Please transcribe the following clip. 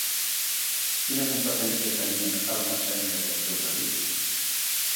Quina competència tenien Ermessenda i el seu marit?